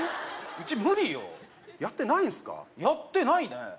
うち無理よやってないんすかやってないね